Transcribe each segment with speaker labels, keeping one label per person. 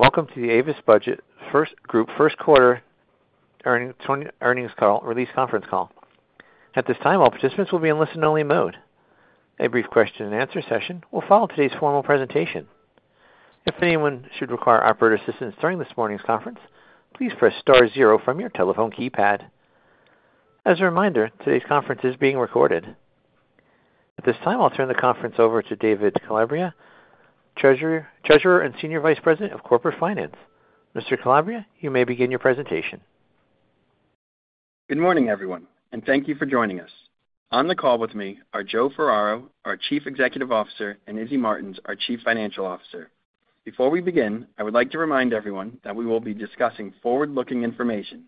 Speaker 1: Welcome to the Avis Budget Group first quarter earnings call release conference call. At this time, all participants will be in listen-only mode. A brief question-and-answer session will follow today's formal presentation. If anyone should require operator assistance during this morning's conference, please press star zero from your telephone keypad. As a reminder, today's conference is being recorded. At this time, I'll turn the conference over to David Calabria, Treasurer and Senior Vice President of Corporate Finance. Mr. Calabria, you may begin your presentation.
Speaker 2: Good morning, everyone, and thank you for joining us. On the call with me are Joe Ferraro, our Chief Executive Officer, and Izzy Martins, our Chief Financial Officer. Before we begin, I would like to remind everyone that we will be discussing forward-looking information,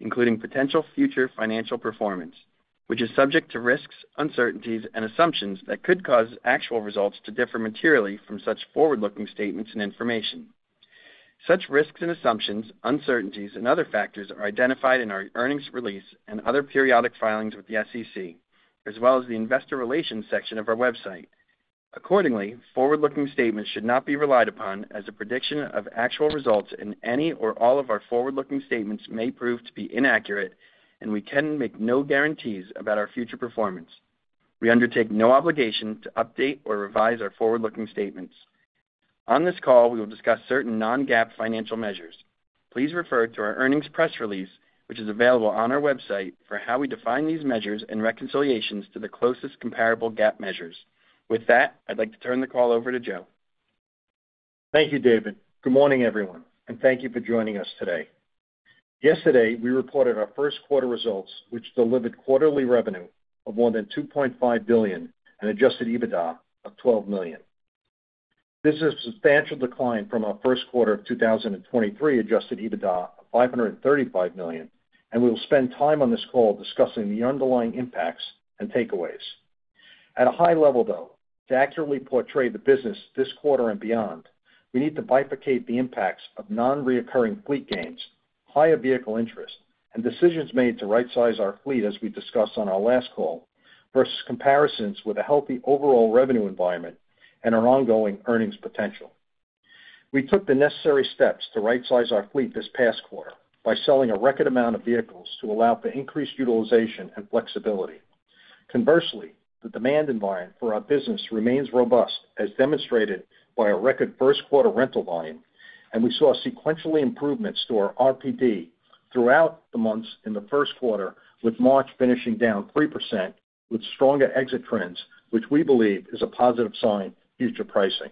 Speaker 2: including potential future financial performance, which is subject to risks, uncertainties, and assumptions that could cause actual results to differ materially from such forward-looking statements and information. Such risks and assumptions, uncertainties, and other factors are identified in our earnings release and other periodic filings with the SEC, as well as the investor relations section of our website. Accordingly, forward-looking statements should not be relied upon as a prediction of actual results, and any or all of our forward-looking statements may prove to be inaccurate, and we can make no guarantees about our future performance. We undertake no obligation to update or revise our forward-looking statements. On this call, we will discuss certain non-GAAP financial measures. Please refer to our earnings press release, which is available on our website, for how we define these measures and reconciliations to the closest comparable GAAP measures. With that, I'd like to turn the call over to Joe.
Speaker 3: Thank you, David. Good morning, everyone, and thank you for joining us today. Yesterday, we reported our first quarter results, which delivered quarterly revenue of more than $2.5 billion and adjusted EBITDA of $12 million. This is a substantial decline from our first quarter of 2023 adjusted EBITDA of $535 million, and we will spend time on this call discussing the underlying impacts and takeaways. At a high level, though, to accurately portray the business this quarter and beyond, we need to bifurcate the impacts of non-recurring fleet gains, higher vehicle interest, and decisions made to right-size our fleet, as we discussed on our last call, versus comparisons wit-h a healthy overall revenue environment and our ongoing earnings potential. We took the necessary steps to right-size our fleet this past quarter by selling a record amount of vehicles to allow for increased utilization and flexibility. Conversely, the demand environment for our business remains robust, as demonstrated by our record first quarter rental volume, and we saw sequential improvements to our RPD throughout the months in the first quarter, with March finishing down 3%, with stronger exit trends, which we believe is a positive sign for future pricing.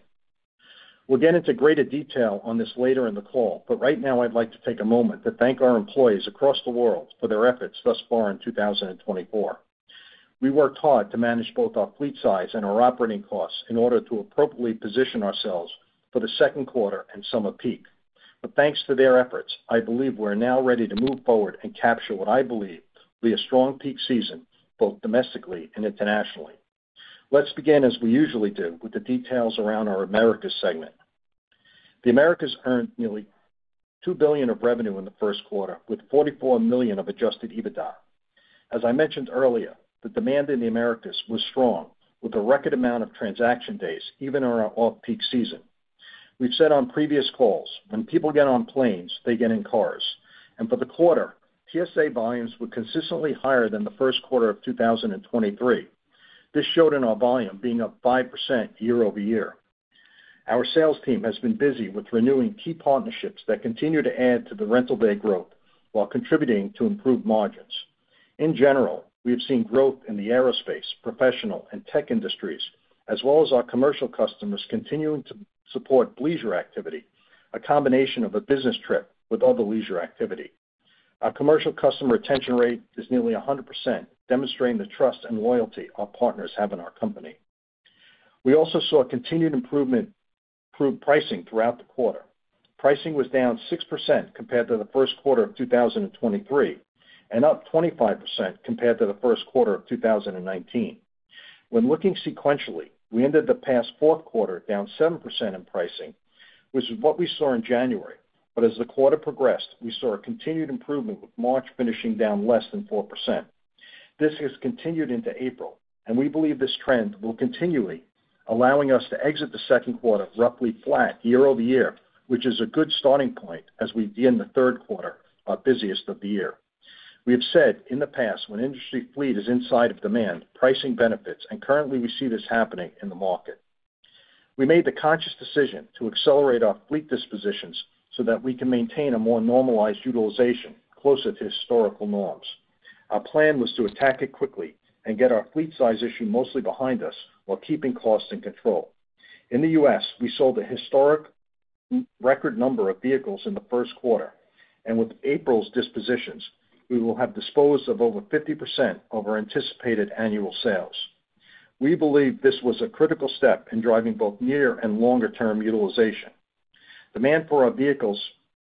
Speaker 3: We'll get into greater detail on this later in the call, but right now I'd like to take a moment to thank our employees across the world for their efforts thus far in 2024. We worked hard to manage both our fleet size and our operating costs in order to appropriately position ourselves for the second quarter and summer peak. But thanks to their efforts, I believe we're now ready to move forward and capture what I believe will be a strong peak season, both domestically and internationally. Let's begin, as we usually do, with the details around our Americas segment. The Americas earned nearly $2 billion of revenue in the first quarter, with $44 million of Adjusted EBITDA. As I mentioned earlier, the demand in the Americas was strong, with a record amount of transaction days even in our off-peak season. We've said on previous calls, when people get on planes, they get in cars, and for the quarter, PSA volumes were consistently higher than the first quarter of 2023. This showed in our volume being up 5% year-over-year. Our sales team has been busy with renewing key partnerships that continue to add to the rental day growth while contributing to improved margins. In general, we have seen growth in the aerospace, professional, and tech industries, as well as our commercial customers continuing to support leisure activity, a combination of a business trip with other leisure activity. Our commercial customer retention rate is nearly 100%, demonstrating the trust and loyalty our partners have in our company. We also saw improved pricing throughout the quarter. Pricing was down 6% compared to the first quarter of 2023, and up 25% compared to the first quarter of 2019. When looking sequentially, we ended the past fourth quarter down 7% in pricing, which is what we saw in January, but as the quarter progressed, we saw a continued improvement, with March finishing down less than 4%. This has continued into April, and we believe this trend will continually, allowing us to exit the second quarter roughly flat year-over-year, which is a good starting point as we begin the third quarter, our busiest of the year. We have said in the past, when industry fleet is inside of demand, pricing benefits, and currently we see this happening in the market. We made the conscious decision to accelerate our fleet dispositions so that we can maintain a more normalized utilization closer to historical norms. Our plan was to attack it quickly and get our fleet size issue mostly behind us while keeping costs in control. In the U.S., we sold a historic record number of vehicles in the first quarter, and with April's dispositions, we will have disposed of over 50% of our anticipated annual sales. We believe this was a critical step in driving both near and longer-term utilization. Demand for our vehicles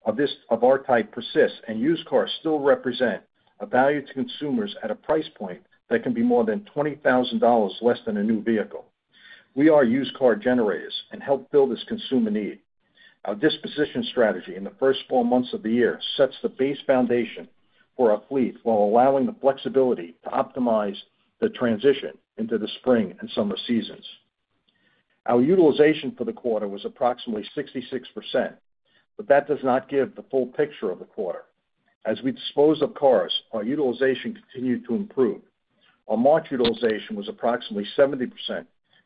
Speaker 3: of our type persists, and used cars still represent a value to consumers at a price point that can be more than $20,000 less than a new vehicle. We are used car generators and help build this consumer need. Our disposition strategy in the first four months of the year sets the base foundation for our fleet, while allowing the flexibility to optimize the transition into the spring and summer seasons. Our utilization for the quarter was approximately 66%, but that does not give the full picture of the quarter. As we dispose of cars, our utilization continued to improve. Our March utilization was approximately 70%,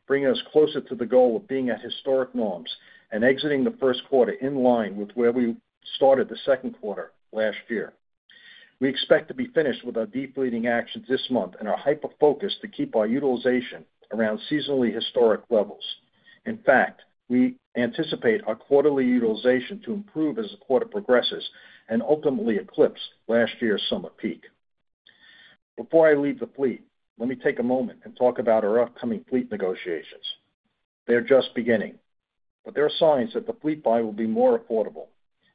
Speaker 3: bringing us closer to the goal of being at historic norms and exiting the first quarter in line with where we started the second quarter last year. We expect to be finished with our depleting actions this month and are hyper-focused to keep our utilization around seasonally historic levels. In fact, we anticipate our quarterly utilization to improve as the quarter progresses and ultimately eclipse last year's summer peak. Before I leave the fleet, let me take a moment and talk about our upcoming fleet negotiations. They are just beginning, but there are signs that the fleet buy will be more affordable.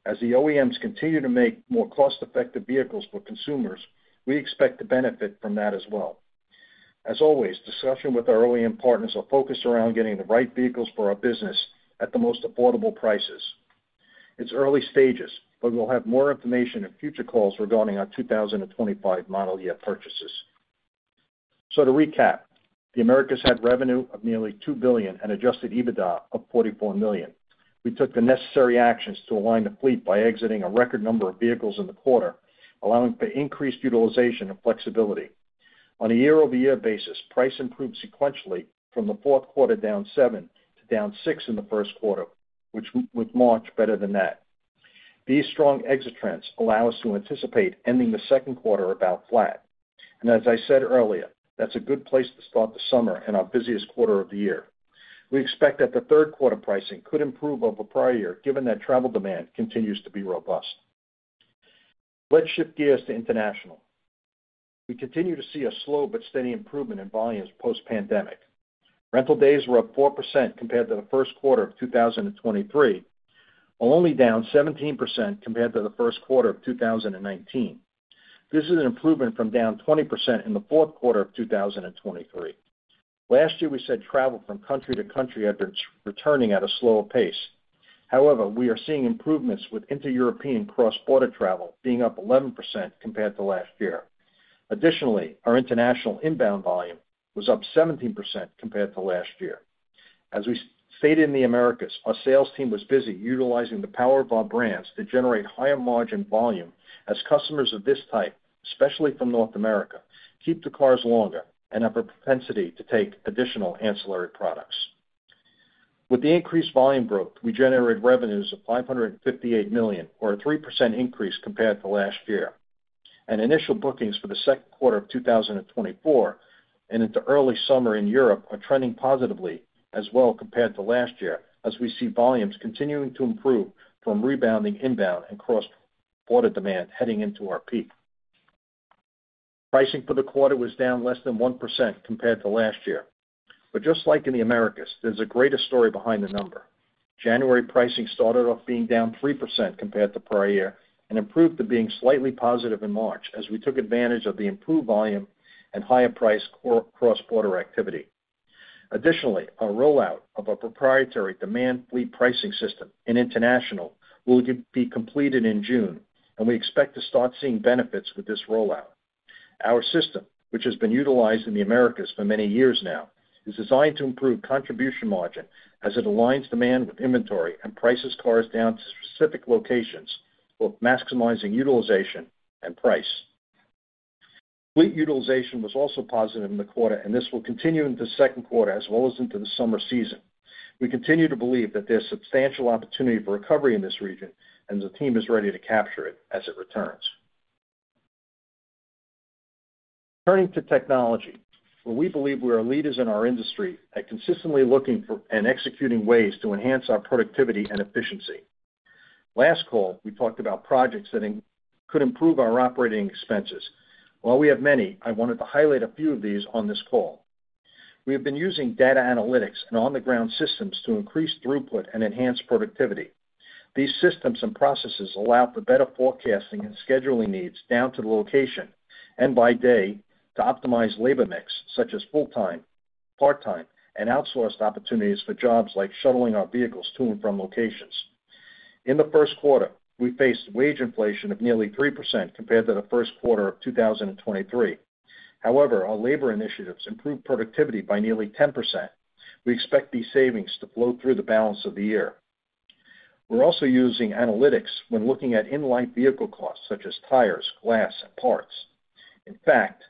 Speaker 3: As the OEMs continue to make more cost-effective vehicles for consumers, we expect to benefit from that as well. As always, discussion with our OEM partners are focused around getting the right vehicles for our business at the most affordable prices. It's early stages, but we'll have more information in future calls regarding our 2025 model year purchases. So to recap, the Americas had revenue of nearly $2 billion and adjusted EBITDA of $44 million. We took the necessary actions to align the fleet by exiting a record number of vehicles in the quarter, allowing for increased utilization and flexibility. On a year-over-year basis, price improved sequentially from the fourth quarter, down 7%, to down 6% in the first quarter, which, with March better than that. These strong exit trends allow us to anticipate ending the second quarter about flat. And as I said earlier, that's a good place to start the summer and our busiest quarter of the year. We expect that the third quarter pricing could improve over prior year, given that travel demand continues to be robust. Let's shift gears to international. We continue to see a slow but steady improvement in volumes post-pandemic. Rental days were up 4% compared to the first quarter of 2023, only down 17% compared to the first quarter of 2019. This is an improvement from down 20% in the fourth quarter of 2023. Last year, we said travel from country to country had been returning at a slower pace. However, we are seeing improvements with inter-European cross-border travel being up 11% compared to last year. Additionally, our international inbound volume was up 17% compared to last year. As we stated in the Americas, our sales team was busy utilizing the power of our brands to generate higher margin volume as customers of this type especially from North America, keep the cars longer and have a propensity to take additional ancillary products. With the increased volume growth, we generated revenues of $558 million, or a 3% increase compared to last year. Initial bookings for the second quarter of 2024 and into early summer in Europe are trending positively as well compared to last year, as we see volumes continuing to improve from rebounding inbound and cross-border demand heading into our peak. Pricing for the quarter was down less than 1% compared to last year. But just like in the Americas, there's a greater story behind the number. January pricing started off being down 3% compared to prior year and improved to being slightly positive in March as we took advantage of the improved volume and higher price cross-border activity. Additionally, our rollout of our proprietary demand fleet pricing system in international will be completed in June, and we expect to start seeing benefits with this rollout. Our system, which has been utilized in the Americas for many years now, is designed to improve contribution margin as it aligns demand with inventory and prices cars down to specific locations, both maximizing utilization and price. Fleet utilization was also positive in the quarter, and this will continue into the second quarter as well as into the summer season. We continue to believe that there's substantial opportunity for recovery in this region, and the team is ready to capture it as it returns. Turning to technology, where we believe we are leaders in our industry at consistently looking for and executing ways to enhance our productivity and efficiency. Last call, we talked about projects that could improve our operating expenses. While we have many, I wanted to highlight a few of these on this call. We have been using data analytics and on-the-ground systems to increase throughput and enhance productivity. These systems and processes allow for better forecasting and scheduling needs down to the location and by day to optimize labor mix, such as full-time, part-time, and outsourced opportunities for jobs like shuttling our vehicles to and from locations. In the first quarter, we faced wage inflation of nearly 3% compared to the first quarter of 2023. However, our labor initiatives improved productivity by nearly 10%. We expect these savings to flow through the balance of the year. We're also using analytics when looking at in-life vehicle costs, such as tires, glass, and parts. In fact,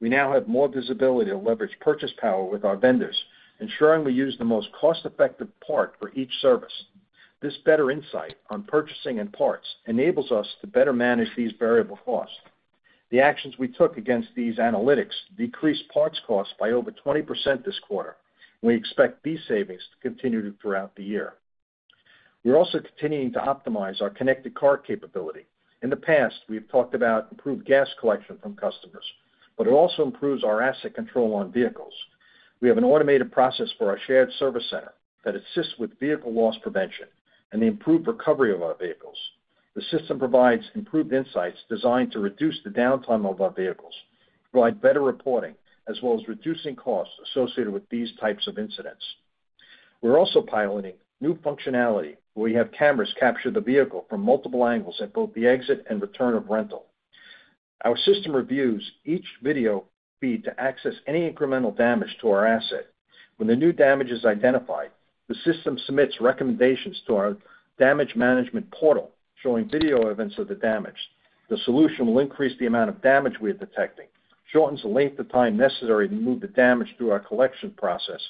Speaker 3: we now have more visibility to leverage purchasing power with our vendors, ensuring we use the most cost-effective part for each service. This better insight on purchasing and parts enables us to better manage these variable costs. The actions we took against these analytics decreased parts costs by over 20% this quarter. We expect these savings to continue throughout the year. We're also continuing to optimize our connected car capability. In the past, we've talked about improved gas collection from customers, but it also improves our asset control on vehicles. We have an automated process for our shared service center that assists with vehicle loss prevention and the improved recovery of our vehicles. The system provides improved insights designed to reduce the downtime of our vehicles, provide better reporting, as well as reducing costs associated with these types of incidents. We're also piloting new functionality, where we have cameras capture the vehicle from multiple angles at both the exit and return of rental. Our system reviews each video feed to assess any incremental damage to our asset. When the new damage is identified, the system submits recommendations to our damage management portal, showing video evidence of the damage. The solution will increase the amount of damage we are detecting, shortens the length of time necessary to move the damage through our collection process,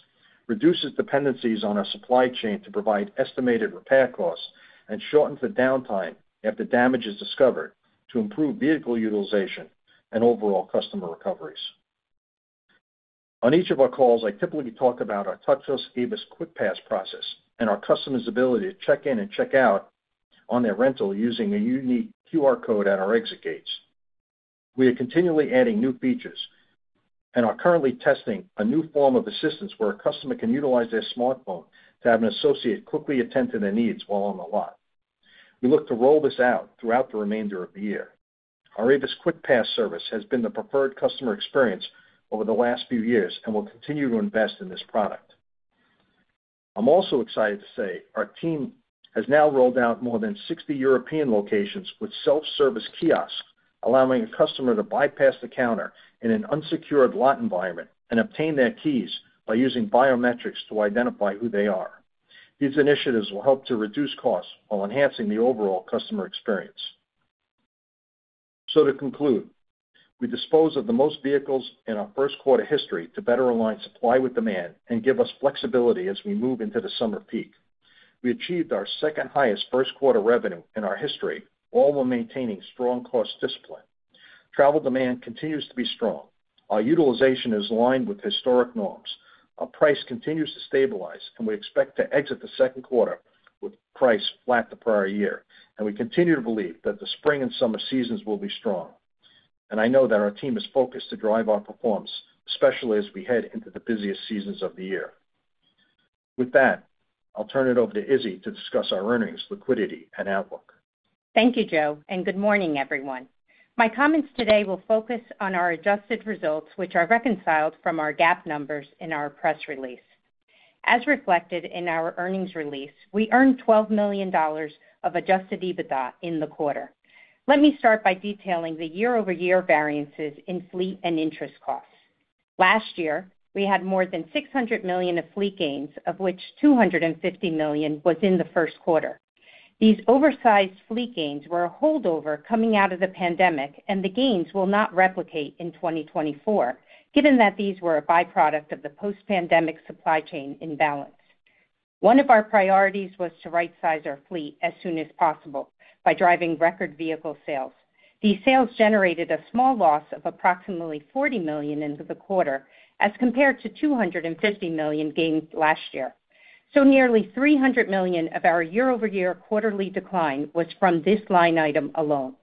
Speaker 3: reduces dependencies on our supply chain to provide estimated repair costs, and shortens the downtime after damage is discovered to improve vehicle utilization and overall customer recoveries. On each of our calls, I typically talk about our touchless Avis QuickPass process and our customers' ability to check in and check out on their rental using a unique QR code at our exit gates. We are continually adding new features and are currently testing a new form of assistance where a customer can utilize their smartphone to have an associate quickly attend to their needs while on the lot. We look to roll this out throughout the remainder of the year. Our Avis QuickPass service has been the preferred customer experience over the last few years, and we'll continue to invest in this product. I'm also excited to say our team has now rolled out more than 60 European locations with self-service kiosks, allowing a customer to bypass the counter in an unsecured lot environment and obtain their keys by using biometrics to identify who they are. These initiatives will help to reduce costs while enhancing the overall customer experience. So to conclude, we disposed of the most vehicles in our first quarter history to better align supply with demand and give us flexibility as we move into the summer peak. We achieved our second highest first quarter revenue in our history, all while maintaining strong cost discipline. Travel demand continues to be strong. Our utilization is aligned with historic norms. Our price continues to stabilize, and we expect to exit the second quarter with price flat to prior year, and we continue to believe that the spring and summer seasons will be strong, and I know that our team is focused to drive our performance, especially as we head into the busiest seasons of the year. With that, I'll turn it over to Izzy to discuss our earnings, liquidity, and outlook.
Speaker 4: Thank you, Joe, and good morning, everyone. My comments today will focus on our adjusted results, which are reconciled from our GAAP numbers in our press release. As reflected in our earnings release, we earned $12 million of adjusted EBITDA in the quarter. Let me start by detailing the year-over-year variances in fleet and interest costs. Last year, we had more than $600 million of fleet gains, of which $250 million was in the first quarter. These oversized fleet gains were a holdover coming out of the pandemic, and the gains will not replicate in 2024, given that these were a byproduct of the post-pandemic supply chain imbalance. One of our priorities was to right-size our fleet as soon as possible by driving record vehicle sales. These sales generated a small loss of approximately $40 million in the quarter, as compared to $250 million gains last year. So nearly $300 million of our year-over-year quarterly decline was from this line item alone.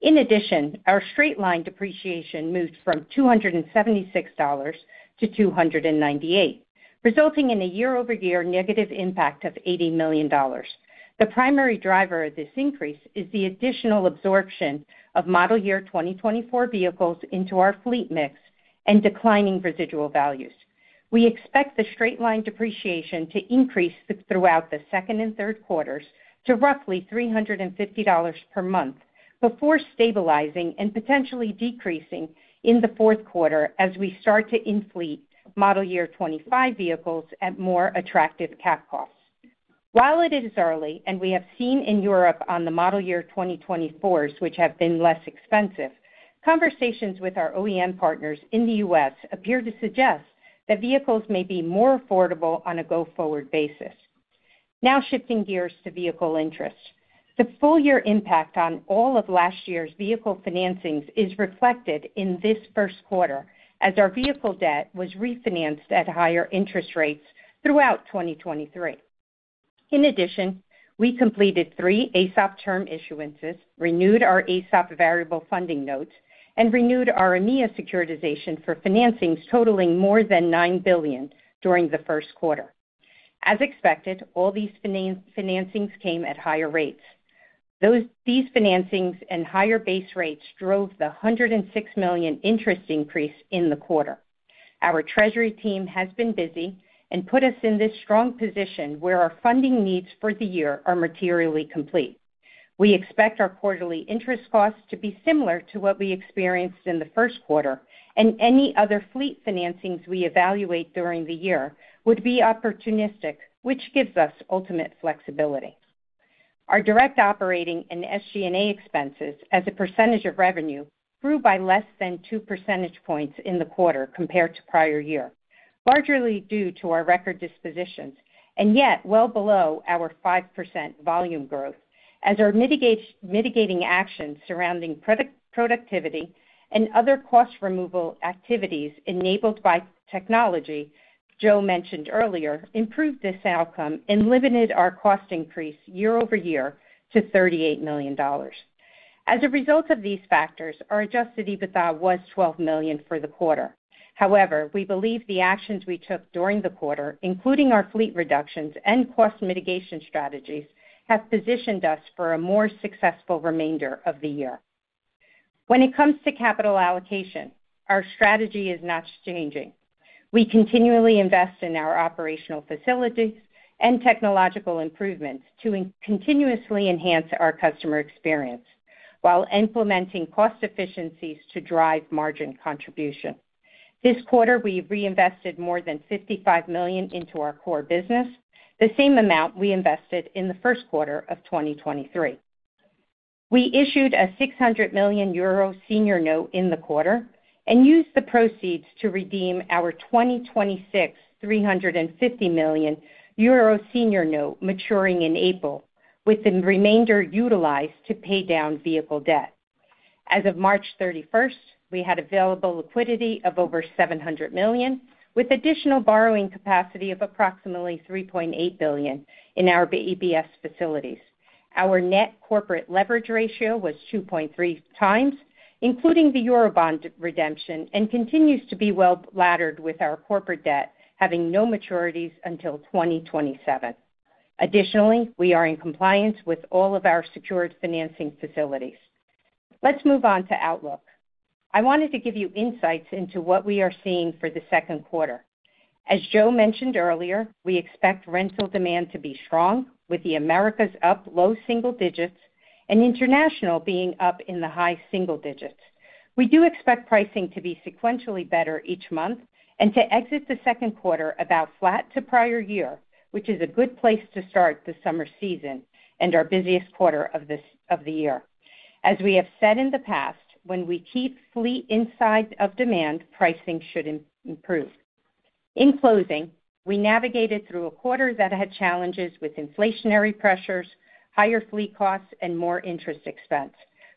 Speaker 4: In addition, our straight-line depreciation moved from $276 to $298, resulting in a year-over-year negative impact of $80 million. The primary driver of this increase is the additional absorption of model year 2024 vehicles into our fleet mix and declining residual values. We expect the straight-line depreciation to increase throughout the second and third quarters to roughly $350 per month before stabilizing and potentially decreasing in the fourth quarter as we start to in-fleet model year 2025 vehicles at more attractive cap costs. While it is early, and we have seen in Europe on the model year 2024s, which have been less expensive, conversations with our OEM partners in the U.S. appear to suggest that vehicles may be more affordable on a go-forward basis. Now shifting gears to vehicle interest. The full year impact on all of last year's vehicle financings is reflected in this first quarter, as our vehicle debt was refinanced at higher interest rates throughout 2023. In addition, we completed three AESOP term issuances, renewed our AESOP variable funding notes, and renewed our EMEA securitization for financings totaling more than $9 billion during the first quarter. As expected, all these financings came at higher rates. These financings and higher base rates drove the $106 million interest increase in the quarter. Our treasury team has been busy and put us in this strong position where our funding needs for the year are materially complete. We expect our quarterly interest costs to be similar to what we experienced in the first quarter, and any other fleet financings we evaluate during the year would be opportunistic, which gives us ultimate flexibility. Our direct operating and SG&A expenses as a percentage of revenue grew by less than 2 percentage points in the quarter compared to prior year, largely due to our record dispositions, and yet well below our 5% volume growth, as our mitigating actions surrounding productivity and other cost removal activities enabled by technology, Joe mentioned earlier, improved this outcome and limited our cost increase year-over-year to $38 million. As a result of these factors, our Adjusted EBITDA was $12 million for the quarter. However, we believe the actions we took during the quarter, including our fleet reductions and cost mitigation strategies, have positioned us for a more successful remainder of the year. When it comes to capital allocation, our strategy is not changing. We continually invest in our operational facilities and technological improvements to continuously enhance our customer experience, while implementing cost efficiencies to drive margin contribution. This quarter, we've reinvested more than $55 million into our core business, the same amount we invested in the first quarter of 2023. We issued a 600 million euro senior note in the quarter, and used the proceeds to redeem our 2026 350 million euro senior note maturing in April, with the remainder utilized to pay down vehicle debt. As of March 31st, we had available liquidity of over $700 million, with additional borrowing capacity of approximately $3.8 billion in our ABS facilities. Our net corporate leverage ratio was 2.3 times, including the Eurobond redemption, and continues to be well laddered, with our corporate debt having no maturities until 2027. Additionally, we are in compliance with all of our secured financing facilities. Let's move on to outlook. I wanted to give you insights into what we are seeing for the second quarter. As Joe mentioned earlier, we expect rental demand to be strong, with the Americas up low single digits and international being up in the high single digits. We do expect pricing to be sequentially better each month and to exit the second quarter about flat to prior year, which is a good place to start the summer season and our busiest quarter of the year. As we have said in the past, when we keep fleet inside of demand, pricing should improve. In closing, we navigated through a quarter that had challenges with inflationary pressures, higher fleet costs, and more interest expense.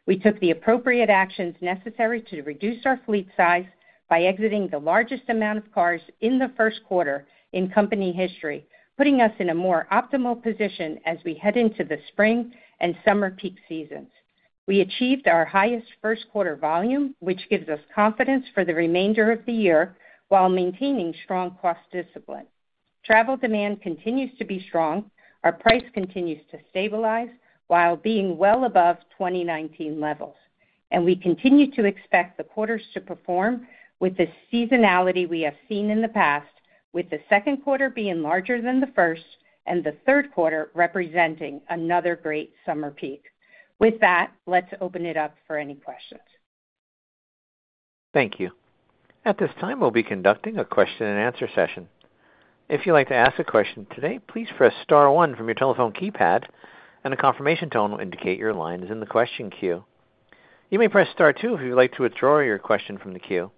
Speaker 4: We took the appropriate actions necessary to reduce our fleet size by exiting the largest amount of cars in the first quarter in company history, putting us in a more optimal position as we head into the spring and summer peak seasons. We achieved our highest first quarter volume, which gives us confidence for the remainder of the year, while maintaining strong cost discipline. Travel demand continues to be strong. Our price continues to stabilize while being well above 2019 levels. We continue to expect the quarters to perform with the seasonality we have seen in the past, with the second quarter being larger than the first, and the third quarter representing another great summer peak. With that, let's open it up for any questions.
Speaker 1: Thank you. At this time, we'll be conducting a question-and-answer session. If you'd like to ask a question today, please press star one from your telephone keypad, and a confirmation tone will indicate your line is in the question queue. You may press star two if you'd like to withdraw your question from the queue.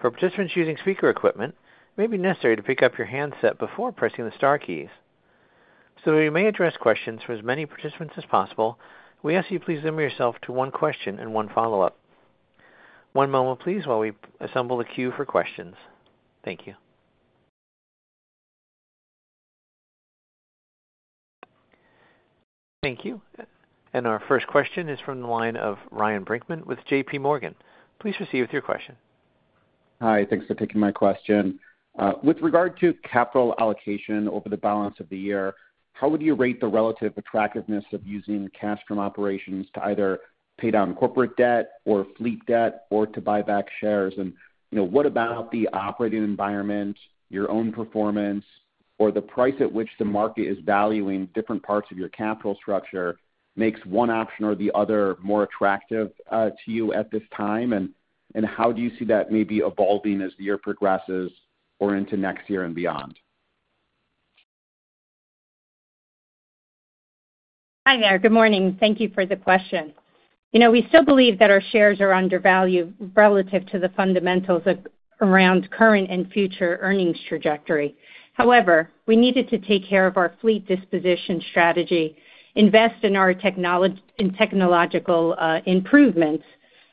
Speaker 1: For participants using speaker equipment, it may be necessary to pick up your handset before pressing the star keys. So we may address questions for as many participants as possible. We ask you please limit yourself to one question and one follow-up. One moment, please, while we assemble the queue for questions. Thank you. Thank you, and our first question is from the line of Ryan Brinkman with JPMorgan. Please proceed with your question.
Speaker 5: Hi, thanks for taking my question. With regard to capital allocation over the balance of the year, how would you rate the relative attractiveness of using cash from operations to either pay down corporate debt or fleet debt or to buy back shares? And, you know, what about the operating environment, your own performance, or the price at which the market is valuing different parts of your capital structure makes one option or the other more attractive to you at this time, and how do you see that maybe evolving as the year progresses or into next year and beyond?
Speaker 4: Hi there. Good morning. Thank you for the question. You know, we still believe that our shares are undervalued relative to the fundamentals around current and future earnings trajectory. However, we needed to take care of our fleet disposition strategy, invest in our technological improvements,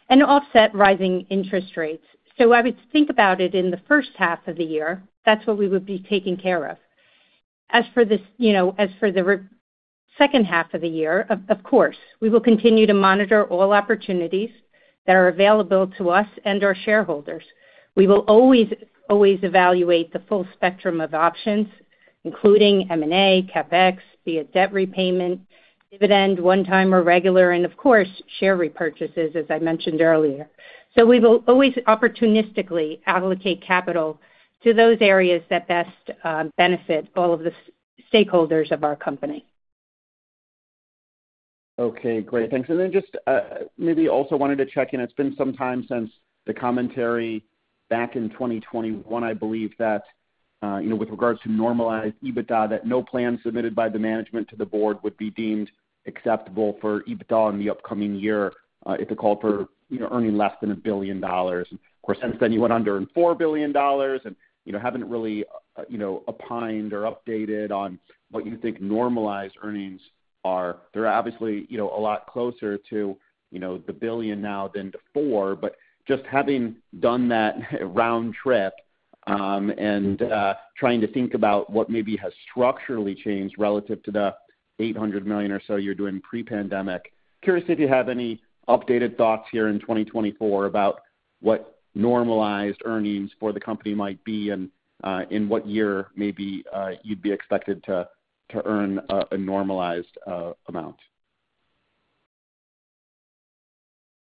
Speaker 4: and offset rising interest rates. So I would think about it in the first half of the year, that's what we would be taking care of. As for this, you know, as for the second half of the year, of course, we will continue to monitor all opportunities that are available to us and our shareholders. We will always, always evaluate the full spectrum of options, including M&A, CapEx, via debt repayment, dividend, one time or regular, and of course, share repurchases, as I mentioned earlier. So we will always opportunistically allocate capital to those areas that best benefit all of the stakeholders of our company.
Speaker 5: Okay, great. Thanks. And then just, maybe also wanted to check in. It's been some time since the commentary back in 2021, I believe, that, you know, with regards to normalized EBITDA, that no plan submitted by the management to the board would be deemed acceptable for EBITDA in the upcoming year, if it called for, you know, earning less than $1 billion. And of course, since then, you went on to earn $4 billion and, you know, haven't really, you know, opined or updated on what you think normalized earnings are. They're obviously, you know, a lot closer to, you know, the $1 billion now than the $4 billion, but just having done that round trip, and trying to think about what maybe has structurally changed relative to the $800 million or so you're doing pre-pandemic, curious if you have any updated thoughts here in 2024 about what normalized earnings for the company might be and, in what year maybe, you'd be expected to earn a normalized amount?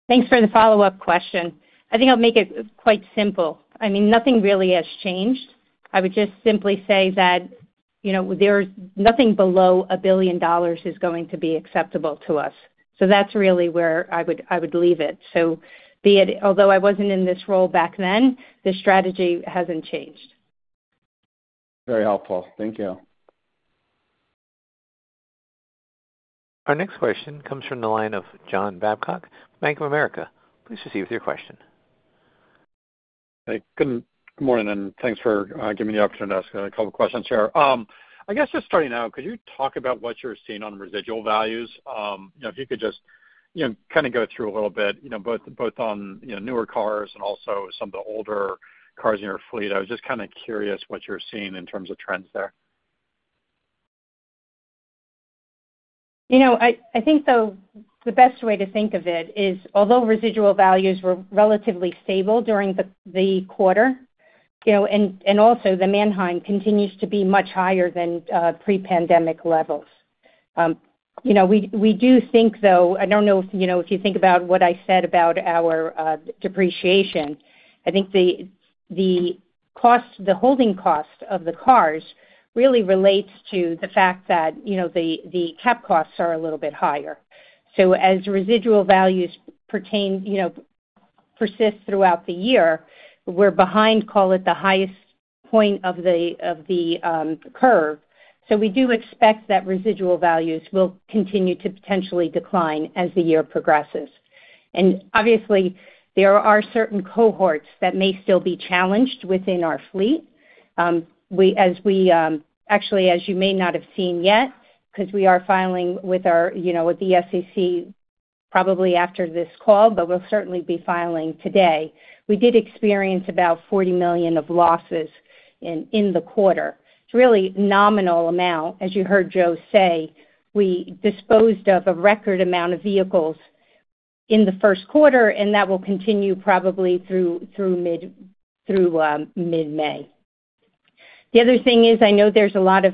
Speaker 4: Thanks for the follow-up question. I think I'll make it quite simple. I mean, nothing really has changed. I would just simply say that, you know, there's nothing below $1 billion is going to be acceptable to us. So that's really where I would, I would leave it. So be it, although I wasn't in this role back then, the strategy hasn't changed.
Speaker 5: Very helpful. Thank you.
Speaker 1: Our next question comes from the line of John Babcock, Bank of America. Please proceed with your question.
Speaker 6: Hey, good, good morning, and thanks for giving me the opportunity to ask a couple questions here. I guess just starting out, could you talk about what you're seeing on residual values? You know, if you could just, you know, kind of go through a little bit, you know, both, both on, you know, newer cars and also some of the older cars in your fleet. I was just kind of curious what you're seeing in terms of trends there.
Speaker 4: You know, I think the best way to think of it is, although residual values were relatively stable during the quarter, you know, and also the Manheim continues to be much higher than pre-pandemic levels. You know, we do think, though, I don't know if you know if you think about what I said about our depreciation, I think the cost, the holding cost of the cars really relates to the fact that, you know, the cap costs are a little bit higher. So as residual values pertain, you know, persist throughout the year, we're behind, call it, the highest point of the curve. So we do expect that residual values will continue to potentially decline as the year progresses. And obviously, there are certain cohorts that may still be challenged within our fleet. Actually, as you may not have seen yet, because we are filing with our, you know, with the SEC, probably after this call, but we'll certainly be filing today. We did experience about $40 million of losses in the quarter. It's really nominal amount. As you heard Joe say, we disposed of a record amount of vehicles in the first quarter, and that will continue probably through mid-May. The other thing is, I know there's a lot of,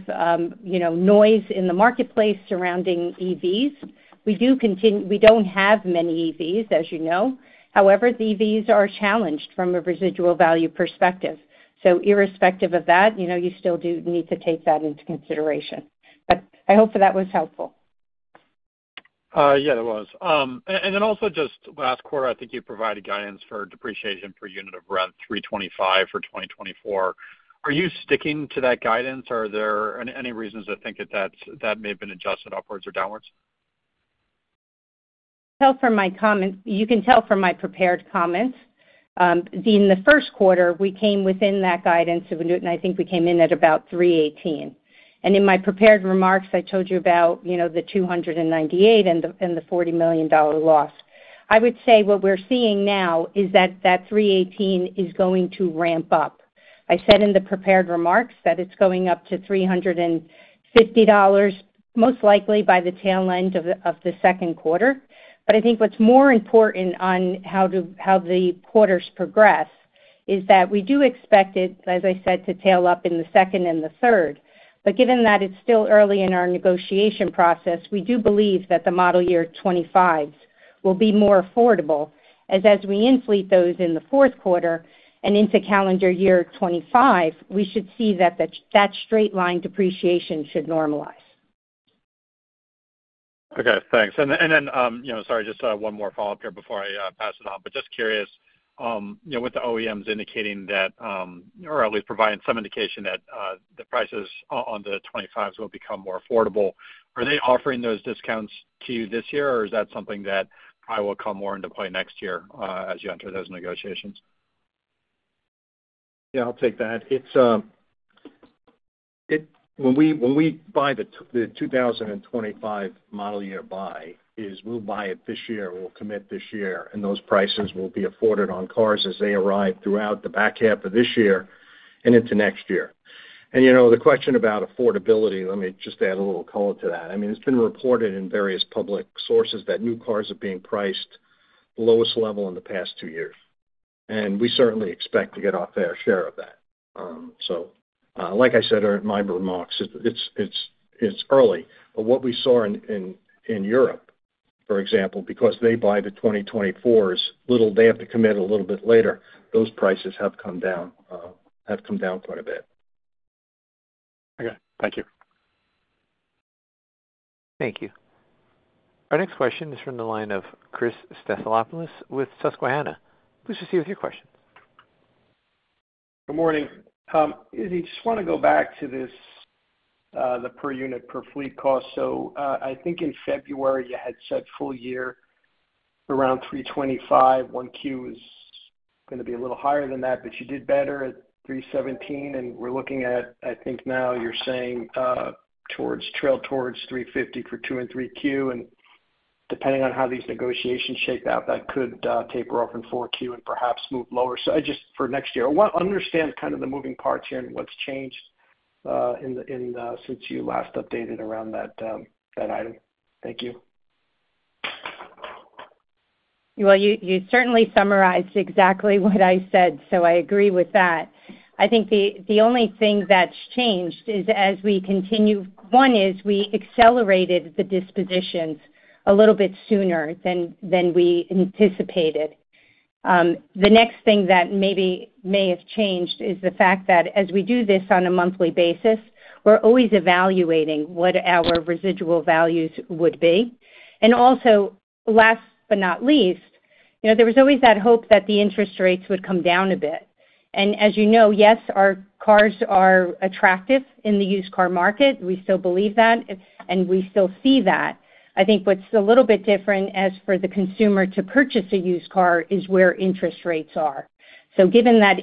Speaker 4: you know, noise in the marketplace surrounding EVs. We don't have many EVs, as you know. However, the EVs are challenged from a residual value perspective. So irrespective of that, you know, you still do need to take that into consideration. But I hope that was helpful.
Speaker 6: Yeah, it was. Then also just last quarter, I think you provided guidance for depreciation per unit of around 325 for 2024. Are you sticking to that guidance, or are there any reasons to think that that may have been adjusted upwards or downwards?
Speaker 4: Tell from my comments - you can tell from my prepared comments, in the first quarter, we came within that guidance, and I think we came in at about $318. And in my prepared remarks, I told you about, you know, the $298 and the, and the $40 million loss. I would say what we're seeing now is that that $318 is going to ramp up. I said in the prepared remarks that it's going up to $350, most likely by the tail end of the, of the second quarter. But I think what's more important on how the, how the quarters progress is that we do expect it, as I said, to tail up in the second and the third. But given that it's still early in our negotiation process, we do believe that the model year 2025s will be more affordable, as we in-fleet those in the fourth quarter and into calendar year 2025, we should see that straight line depreciation should normalize.
Speaker 6: Okay, thanks. And then, and then, you know, sorry, just, one more follow-up here before I, pass it on. But just curious, you know, with the OEMs indicating that, or at least providing some indication that, the prices on the 25s will become more affordable, are they offering those discounts to you this year, or is that something that probably will come more into play next year, as you enter those negotiations?
Speaker 3: Yeah, I'll take that. It's when we buy the 2025 model year buy, we'll buy it this year, we'll commit this year, and those prices will be afforded on cars as they arrive throughout the back half of this year and into next year. And you know, the question about affordability, let me just add a little color to that. I mean, it's been reported in various public sources that new cars are being priced lowest level in the past two years, and we certainly expect to get our fair share of that. So, like I said, in my remarks, it's early. But what we saw in Europe, for example, because they buy the 2024s, they have to commit a little bit later, those prices have come down, have come down quite a bit.
Speaker 6: Okay. Thank you.
Speaker 1: Thank you. Our next question is from the line of Chris Stathoulopoulos with Susquehanna. Please proceed with your question.
Speaker 7: Good morning. Izzy, just want to go back to this, the per unit, per fleet cost. So, I think in February, you had said full year around $325. 1Q is going to be a little higher than that, but you did better at $317, and we're looking at, I think now you're saying, towards trail, towards $350 for 2 and 3Q. And depending on how these negotiations shake out, that could, taper off in 4Q and perhaps move lower. So I just, for next year, I want to understand kind of the moving parts here and what's changed since you last updated around that, that item. Thank you.
Speaker 4: Well, you certainly summarized exactly what I said, so I agree with that. I think the only thing that's changed is as we continue, one is we accelerated the dispositions a little bit sooner than we anticipated. The next thing that maybe may have changed is the fact that as we do this on a monthly basis, we're always evaluating what our residual values would be. And also, last but not least, you know, there was always that hope that the interest rates would come down a bit. And as you know, yes, our cars are attractive in the used car market. We still believe that, and we still see that. I think what's a little bit different as for the consumer to purchase a used car is where interest rates are. So given that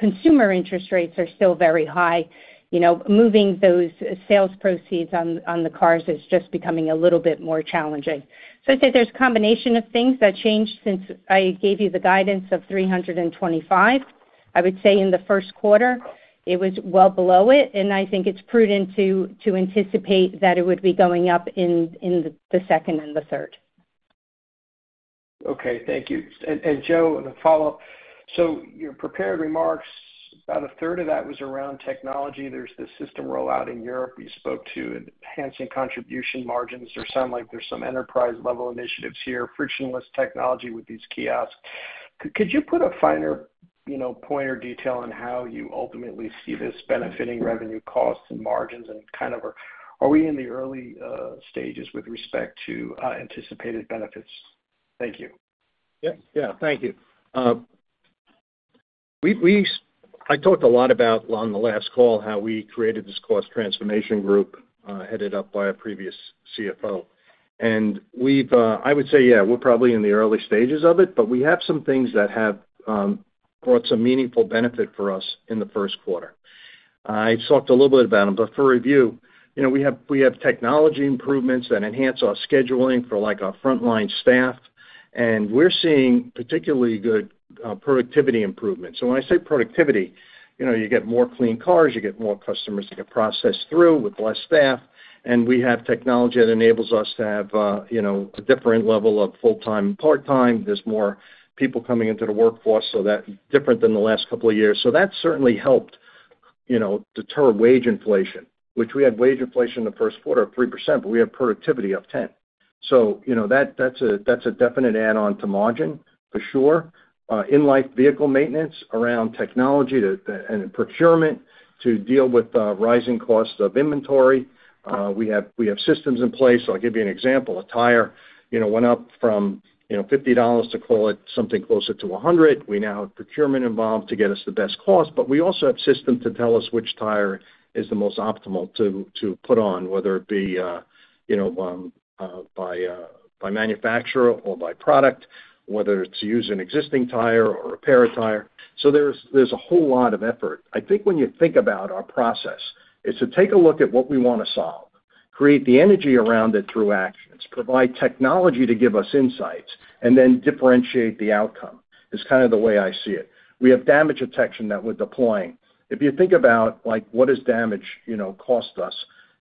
Speaker 4: consumer interest rates are still very high, you know, moving those sales proceeds on, on the cars is just becoming a little bit more challenging. So I'd say there's a combination of things that changed since I gave you the guidance of 325. I would say in the first quarter, it was well below it, and I think it's prudent to anticipate that it would be going up in the second and the third.
Speaker 7: Okay, thank you. And Joe, in a follow-up. So your prepared remarks, about a third of that was around technology. There's the system rollout in Europe you spoke to, enhancing contribution margins. There sound like there's some enterprise-level initiatives here, frictionless technology with these kiosks. Could you put a finer, you know, point or detail on how you ultimately see this benefiting revenue costs and margins, and kind of, are we in the early stages with respect to anticipated benefits? Thank you.
Speaker 3: Yeah, yeah. Thank you. I talked a lot about, on the last call, how we created this cost transformation group, headed up by a previous CFO. And we've, I would say, yeah, we're probably in the early stages of it, but we have some things that have brought some meaningful benefit for us in the first quarter. I talked a little bit about them, but for review, you know, we have, we have technology improvements that enhance our scheduling for, like, our frontline staff, and we're seeing particularly good productivity improvements. So when I say productivity, you know, you get more clean cars, you get more customers to get processed through with less staff, and we have technology that enables us to have, you know, a different level of full-time and part-time. There's more people coming into the workforce, so that's different than the last couple of years. So that certainly helped, you know, deter wage inflation, which we had wage inflation in the first quarter of 3%, but we had productivity of 10. So, you know, that's a definite add-on to margin, for sure. In-life vehicle maintenance around technology and procurement to deal with rising costs of inventory. We have systems in place. So I'll give you an example. A tire, you know, went up from, you know, $50 to call it something closer to $100. We now have procurement involved to get us the best cost, but we also have system to tell us which tire is the most optimal to put on, whether it be, you know, by manufacturer or by product, whether it's to use an existing tire or repair a tire. So there's a whole lot of effort. I think when you think about our process, is to take a look at what we want to solve, create the energy around it through actions, provide technology to give us insights, and then differentiate the outcome. It's kind of the way I see it. We have damage detection that we're deploying. If you think about, like, what does damage, you know, cost us?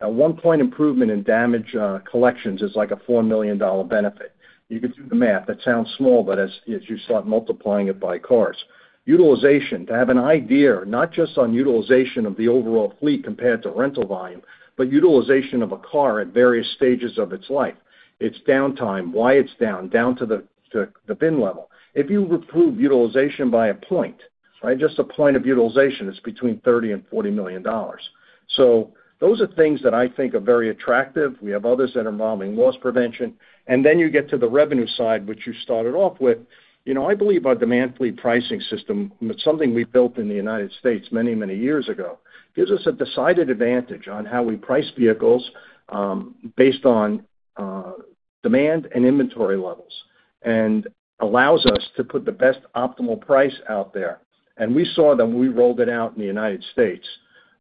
Speaker 3: At one point, improvement in damage collections is like a $4 million benefit. You could do the math. That sounds small, but as you start multiplying it by cars. Utilization, to have an idea, not just on utilization of the overall fleet compared to rental volume, but utilization of a car at various stages of its life, its downtime, why it's down to the bin level. If you improve utilization by a point, right, just a point of utilization, it's between $30 million-$40 million. So those are things that I think are very attractive. We have others that are involving loss prevention. And then you get to the revenue side, which you started off with. You know, I believe our demand fleet pricing system, it's something we built in the United States many, many years ago, gives us a decided advantage on how we price vehicles, based on demand and inventory levels, and allows us to put the best optimal price out there. And we saw that when we rolled it out in the United States.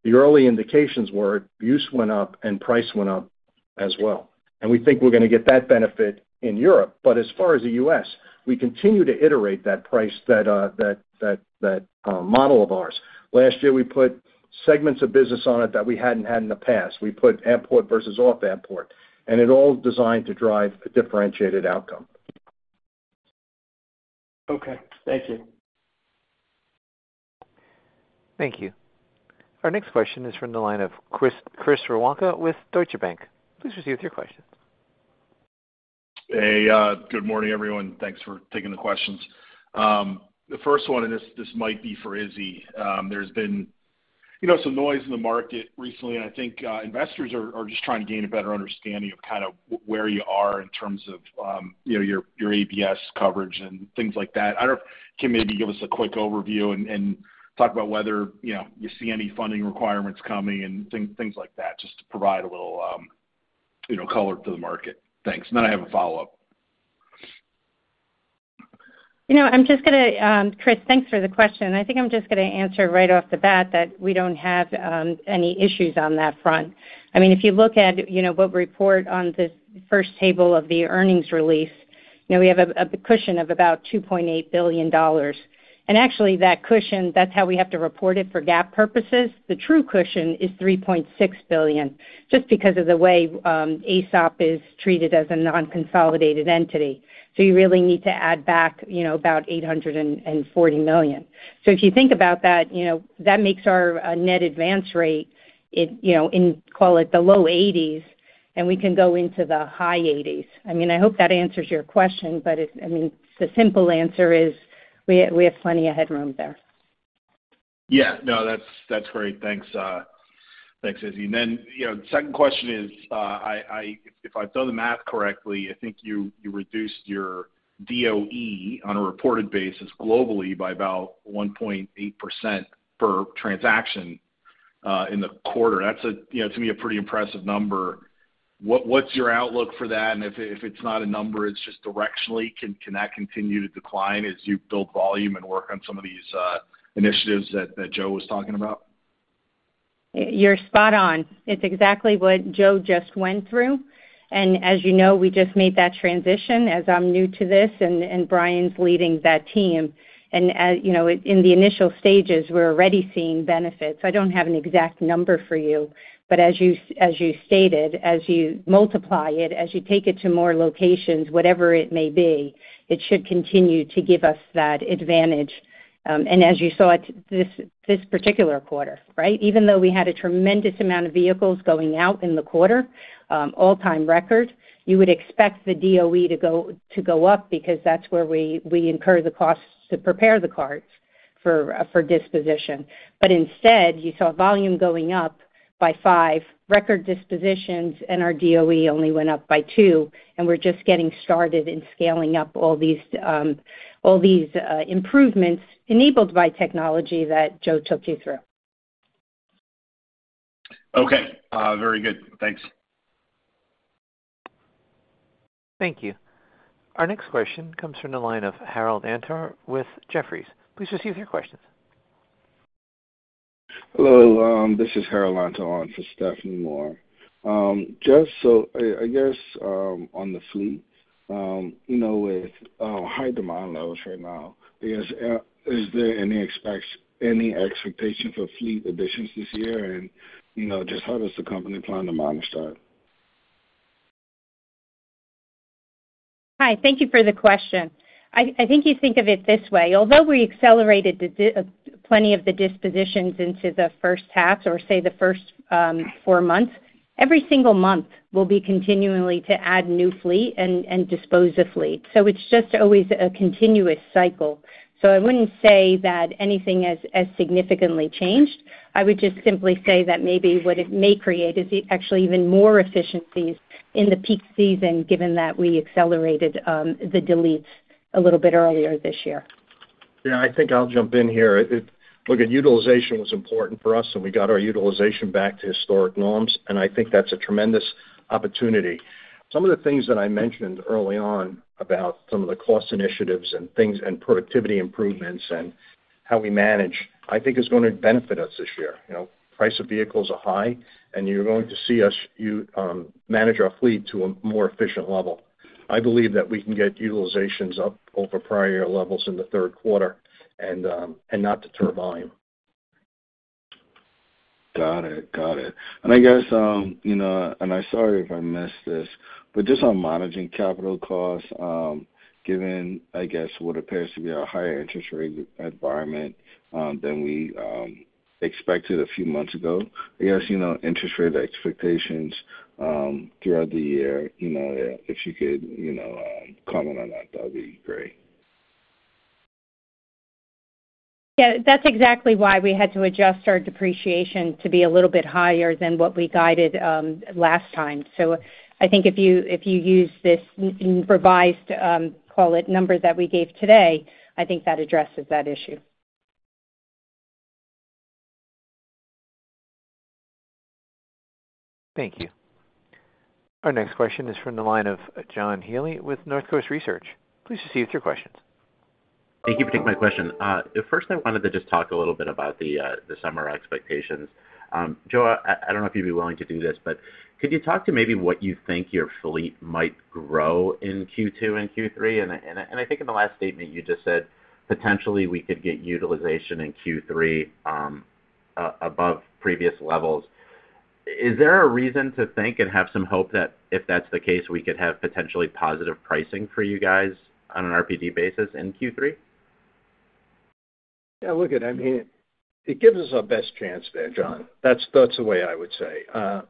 Speaker 3: The early indications were use went up and price went up as well, and we think we're going to get that benefit in Europe. But as far as the U.S., we continue to iterate that price, that model of ours. Last year, we put segments of business on it that we hadn't had in the past. We put airport versus off airport, and it's all designed to drive a differentiated outcome.
Speaker 7: Okay. Thank you.
Speaker 1: Thank you. Our next question is from the line of Chris, Chris Woronka with Deutsche Bank. Please proceed with your question.
Speaker 8: Hey, good morning, everyone. Thanks for taking the questions. The first one, and this might be for Izzy. There's been, you know, some noise in the market recently, and I think investors are just trying to gain a better understanding of kind of where you are in terms of, you know, your ABS coverage and things like that. I don't know, can you maybe give us a quick overview and talk about whether, you know, you see any funding requirements coming and things like that, just to provide a little, you know, color to the market? Thanks. And then I have a follow-up.
Speaker 4: You know, I'm just gonna - Chris, thanks for the question. I think I'm just gonna answer right off the bat that we don't have any issues on that front. I mean, if you look at, you know, what we report on the first table of the earnings release. Now we have a cushion of about $2.8 billion. And actually, that cushion, that's how we have to report it for GAAP purposes. The true cushion is $3.6 billion, just because of the way AESOP is treated as a non-consolidated entity. So you really need to add back, you know, about $840 million. So if you think about that, you know, that makes our net advance rate, you know, in, call it, the low 80s, and we can go into the high 80s. I mean, I hope that answers your question, but it's. I mean, the simple answer is we have plenty of headroom there.
Speaker 8: Yeah, no, that's, that's great. Thanks, thanks, Izzy. And then, you know, the second question is, if I've done the math correctly, I think you reduced your DOE on a reported basis globally by about 1.8% per transaction in the quarter. That's, you know, to me, a pretty impressive number. What's your outlook for that? And if it's not a number, it's just directionally, can that continue to decline as you build volume and work on some of these initiatives that Joe was talking about?
Speaker 4: You're spot on. It's exactly what Joe just went through. As you know, we just made that transition as I'm new to this, and Brian's leading that team. As you know, in the initial stages, we're already seeing benefits. I don't have an exact number for you, but as you stated, as you multiply it, as you take it to more locations, whatever it may be, it should continue to give us that advantage. And as you saw, this particular quarter, right? Even though we had a tremendous amount of vehicles going out in the quarter, all-time record, you would expect the DOE to go up because that's where we incur the costs to prepare the cars for disposition. But instead, you saw volume going up by 5%, record dispositions, and our DOE only went up by 2%, and we're just getting started in scaling up all these improvements enabled by technology that Joe took you through.
Speaker 8: Okay, very good. Thanks.
Speaker 1: Thank you. Our next question comes from the line of Harold Antor with Jefferies. Please receive your questions.
Speaker 9: Hello, this is Harold Antor on for Stephanie Moore. Just so I guess, on the fleet, you know, with high demand levels right now, is there any expectation for fleet additions this year? And, you know, just how does the company plan to manage that?
Speaker 4: Hi, thank you for the question. I think you think of it this way: although we accelerated the disposition of the dispositions into the first half, or say, the first four months, every single month will be continually to add new fleet and dispose of fleet. So it's just always a continuous cycle. So I wouldn't say that anything has significantly changed. I would just simply say that maybe what it may create is actually even more efficiencies in the peak season, given that we accelerated the deletes a little bit earlier this year.
Speaker 3: Yeah, I think I'll jump in here. Look, utilization was important for us, and we got our utilization back to historic norms, and I think that's a tremendous opportunity. Some of the things that I mentioned early on about some of the cost initiatives and things and productivity improvements and how we manage, I think is going to benefit us this year. You know, price of vehicles are high, and you're going to see us manage our fleet to a more efficient level. I believe that we can get utilizations up over prior levels in the third quarter and not deter volume.
Speaker 9: Got it. Got it. And I guess, you know, and I'm sorry if I missed this, but just on managing capital costs, given, I guess, what appears to be a higher interest rate environment, than we expected a few months ago. I guess, you know, interest rate expectations, throughout the year, you know, if you could, you know, comment on that, that'd be great.
Speaker 4: Yeah, that's exactly why we had to adjust our depreciation to be a little bit higher than what we guided last time. So I think if you use this revised, call it number that we gave today, I think that addresses that issue.
Speaker 1: Thank you. Our next question is from the line of John Healy with Northcoast Research. Please go ahead with your question.
Speaker 10: Thank you for taking my question. First, I wanted to just talk a little bit about the summer expectations. Joe, I don't know if you'd be willing to do this, but could you talk to maybe what you think your fleet might grow in Q2 and Q3? And I think in the last statement, you just said, "Potentially, we could get utilization in Q3 above previous levels." Is there a reason to think and have some hope that if that's the case, we could have potentially positive pricing for you guys on an RPD basis in Q3?
Speaker 3: Yeah, look, I mean, it gives us our best chance there, John. That's, that's the way I would say.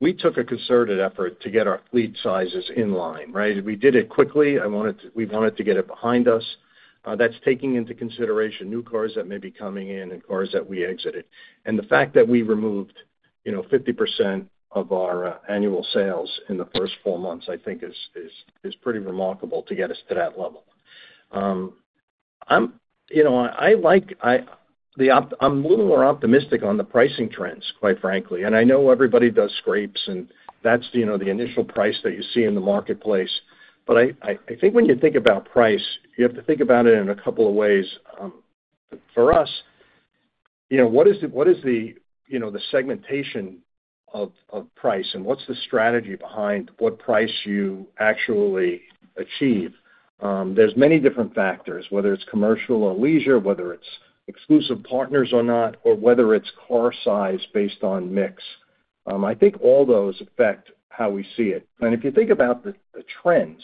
Speaker 3: We took a concerted effort to get our fleet sizes in line, right? We did it quickly. I wanted to - we wanted to get it behind us. That's taking into consideration new cars that may be coming in and cars that we exited. And the fact that we removed, you know, 50% of our annual sales in the first four months, I think is pretty remarkable to get us to that level. You know, I'm a little more optimistic on the pricing trends, quite frankly, and I know everybody does scrapes, and that's, you know, the initial price that you see in the marketplace. But I think when you think about price, you have to think about it in a couple of ways. For us, you know, what is the segmentation of price, and what's the strategy behind what price you actually achieve? There's many different factors, whether it's commercial or leisure, whether it's exclusive partners or not, or whether it's car size based on mix. I think all those affect how we see it. And if you think about the trends,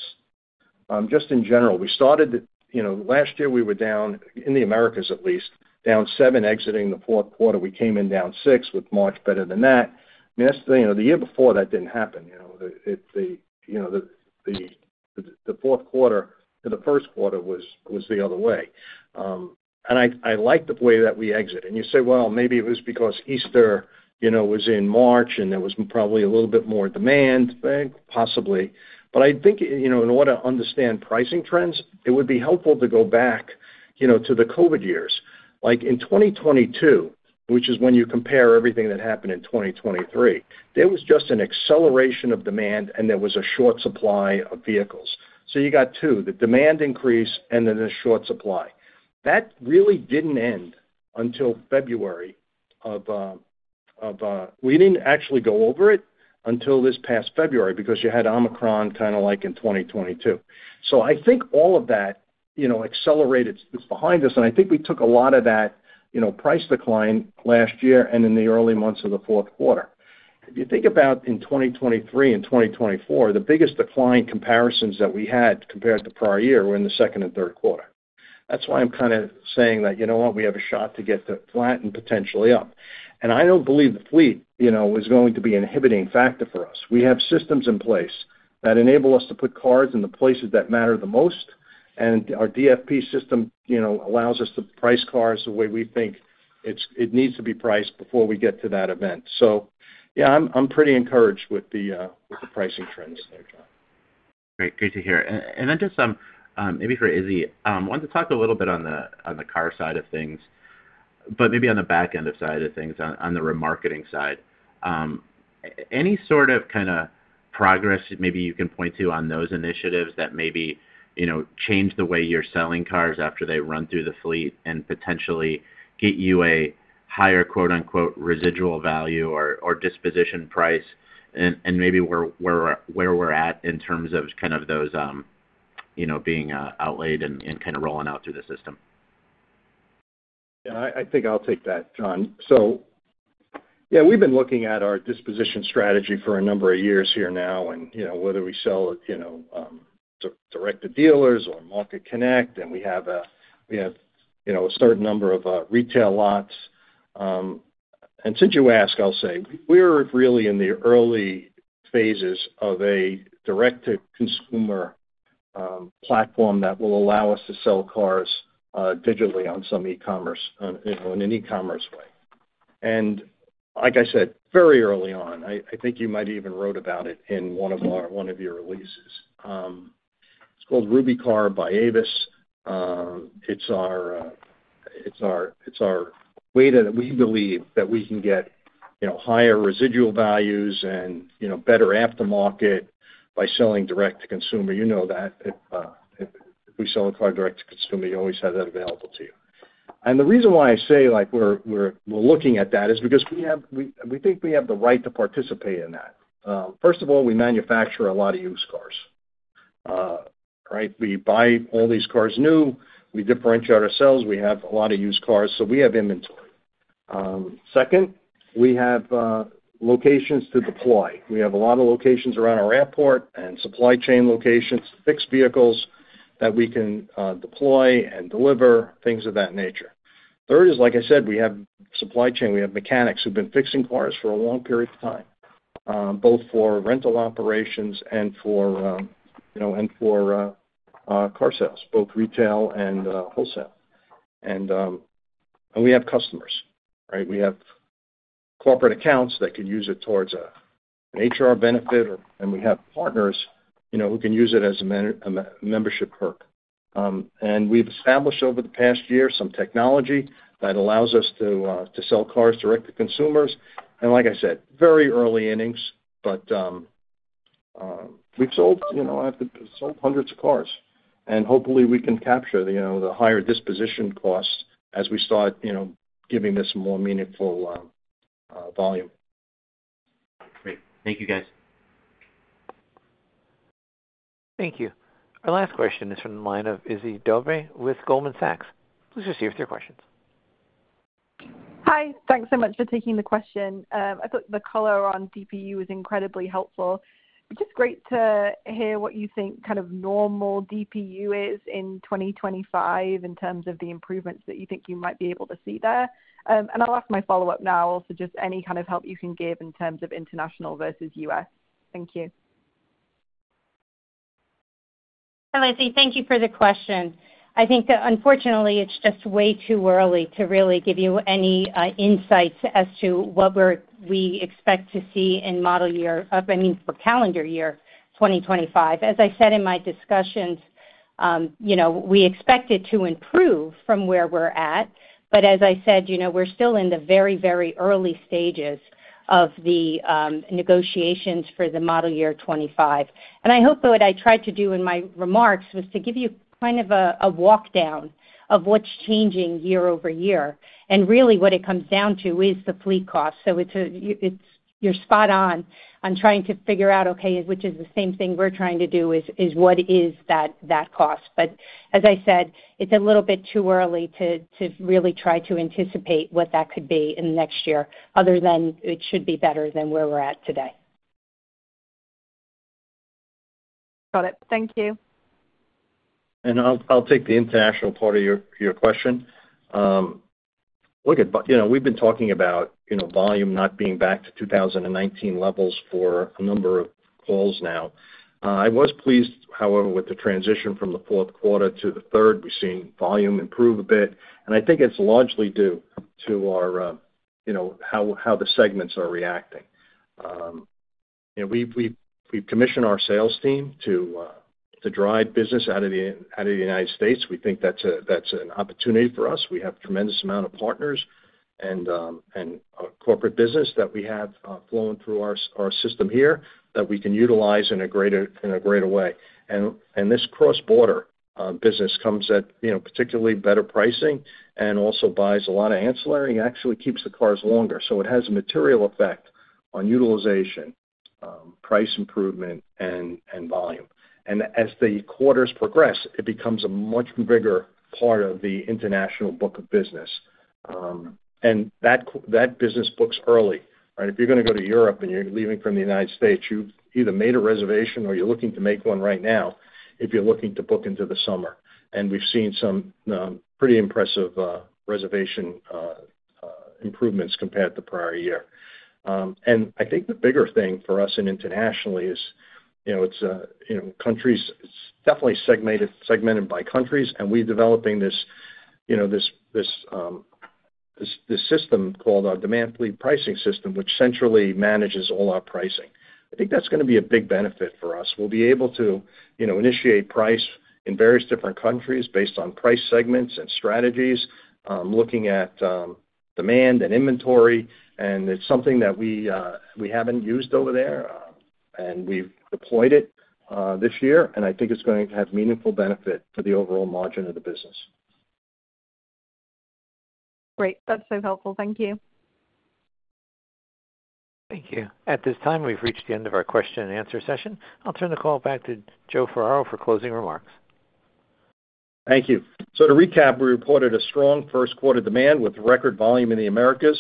Speaker 3: just in general, we started, you know, last year, we were down, in the Americas at least, down 7% exiting the fourth quarter. We came in down 6% with March better than that. I mean, that's the, you know, the year before, that didn't happen, you know, it, you know, the fourth quarter to the first quarter was the other way. And I like the way that we exit. And you say, well, maybe it was because Easter, you know, was in March, and there was probably a little bit more demand. Possibly. But I think, you know, in order to understand pricing trends, it would be helpful to go back, you know, to the COVID years. Like, in 2022, which is when you compare everything that happened in 2023, there was just an acceleration of demand, and there was a short supply of vehicles. So you got two, the demand increase and then a short supply. That really didn't end until February of - We didn't actually go over it until this past February because you had Omicron kind of like in 2022. So I think all of that, you know, accelerated is behind us, and I think we took a lot of that, you know, price decline last year and in the early months of the fourth quarter. If you think about in 2023 and 2024, the biggest decline comparisons that we had compared to prior year were in the second and third quarter. That's why I'm kind of saying that, you know what? We have a shot to get to flatten, potentially up. And I don't believe the fleet, you know, is going to be an inhibiting factor for us. We have systems in place that enable us to put cars in the places that matter the most, and our DFP system, you know, allows us to price cars the way we think it needs to be priced before we get to that event. So yeah, I'm pretty encouraged with the pricing trends there, John.
Speaker 10: Great. Good to hear. And then just maybe for Izzy, wanted to talk a little bit on the car side of things, but maybe on the back-end side of things, on the remarketing side. Any sort of kind of progress that maybe you can point to on those initiatives that maybe, you know, change the way you're selling cars after they run through the fleet and potentially get you a higher "residual value" or disposition price? And maybe where we're at in terms of kind of those, you know, being outlaid and kind of rolling out through the system.
Speaker 3: Yeah, I think I'll take that, John. So yeah, we've been looking at our disposition strategy for a number of years here now, and, you know, whether we sell it, you know, direct to dealers or market connect, and we have, you know, a certain number of retail lots. And since you asked, I'll say, we're really in the early phases of a direct-to-consumer platform that will allow us to sell cars digitally on some e-commerce, you know, in an e-commerce way. And like I said, very early on, I think you might have even wrote about it in one of your releases. It's called RubyCar by Avis. It's our way that we believe that we can get, you know, higher residual values and, you know, better aftermarket by selling direct to consumer. You know that. If we sell a car direct to consumer, you always have that available to you. And the reason why I say, like, we're looking at that is because we have - we think we have the right to participate in that. First of all, we manufacture a lot of used cars. Right? We buy all these cars new. We differentiate ourselves. We have a lot of used cars, so we have inventory. Second, we have locations to deploy. We have a lot of locations around our airport and supply chain locations, fixed vehicles that we can deploy and deliver, things of that nature. Third is, like I said, we have supply chain. We have mechanics who've been fixing cars for a long period of time, both for rental operations and for, you know, and for car sales, both retail and wholesale. And we have customers, right? We have corporate accounts that can use it towards an HR benefit, or and we have partners, you know, who can use it as a membership perk. And we've established over the past year some technology that allows us to to sell cars direct to consumers, and like I said, very early innings, but we've sold, you know, I have to... Sold hundreds of cars, and hopefully, we can capture, you know, the higher disposition costs as we start, you know, giving this more meaningful volume.
Speaker 10: Great. Thank you, guys.
Speaker 1: Thank you. Our last question is from the line of Lizzie Dove with Goldman Sachs. Please proceed with your questions.
Speaker 11: Hi. Thanks so much for taking the question. I thought the color on DPU was incredibly helpful. But just great to hear what you think kind of normal DPU is in 2025, in terms of the improvements that you think you might be able to see there. And I'll ask my follow-up now. Also, just any kind of help you can give in terms of international versus U.S. Thank you.
Speaker 4: Hi, Lizzie. Thank you for the question. I think that, unfortunately, it's just way too early to really give you any, insights as to what we're- we expect to see in model year- I mean, for calendar year 2025. As I said in my discussions, you know, we expect it to improve from where we're at. But as I said, you know, we're still in the very, very early stages of the, negotiations for the model year 2025. And I hope what I tried to do in my remarks was to give you kind of a walkdown of what's changing year-over-year. And really, what it comes down to is the fleet cost. So it's, you - you're spot on, on trying to figure out, okay, which is the same thing we're trying to do, is, is what is that, that cost? But as I said, it's a little bit too early to really try to anticipate what that could be in the next year, other than it should be better than where we're at today.
Speaker 11: Got it. Thank you.
Speaker 3: I'll take the international part of your question. Look, but you know, we've been talking about, you know, volume not being back to 2019 levels for a number of calls now. I was pleased, however, with the transition from the fourth quarter to the third. We've seen volume improve a bit, and I think it's largely due to our, you know, how the segments are reacting. You know, we've commissioned our sales team to drive business out of the United States. We think that's an opportunity for us. We have tremendous amount of partners and corporate business that we have flowing through our system here, that we can utilize in a greater way. This cross-border business comes at, you know, particularly better pricing and also buys a lot of ancillary, and actually keeps the cars longer. So it has a material effect on utilization, price improvement, and volume. And as the quarters progress, it becomes a much bigger part of the international book of business. And that business books early, right? If you're gonna go to Europe and you're leaving from the United States, you've either made a reservation or you're looking to make one right now, if you're looking to book into the summer. And we've seen some pretty impressive reservation improvements compared to the prior year. And I think the bigger thing for us internationally is, you know, it's, you know, countries... It's definitely segmented, segmented by countries, and we're developing this, you know, system called our demand fleet pricing system, which centrally manages all our pricing. I think that's gonna be a big benefit for us. We'll be able to, you know, initiate price in various different countries based on price segments and strategies, looking at, demand and inventory, and it's something that we haven't used over there, and we've deployed it, this year, and I think it's going to have meaningful benefit to the overall margin of the business.
Speaker 11: Great. That's so helpful. Thank you.
Speaker 1: Thank you. At this time, we've reached the end of our question and answer session. I'll turn the call back to Joe Ferraro for closing remarks.
Speaker 3: Thank you. So to recap, we reported a strong first quarter demand with record volume in the Americas.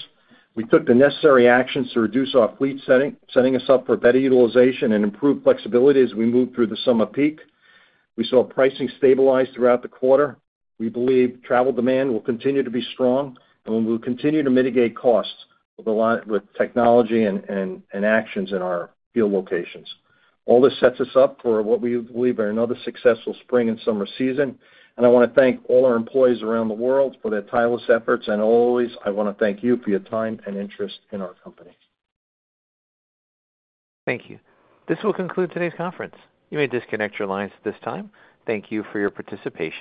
Speaker 3: We took the necessary actions to reduce our fleet setting, setting us up for better utilization and improved flexibility as we move through the summer peak. We saw pricing stabilize throughout the quarter. We believe travel demand will continue to be strong, and we will continue to mitigate costs with technology and actions in our field locations. All this sets us up for what we believe are another successful spring and summer season, and I wanna thank all our employees around the world for their tireless efforts. And always, I wanna thank you for your time and interest in our company.
Speaker 1: Thank you. This will conclude today's conference. You may disconnect your lines at this time. Thank you for your participation.